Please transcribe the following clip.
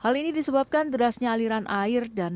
hal ini disebabkan derasnya aliran air dan